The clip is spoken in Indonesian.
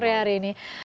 terima kasih pak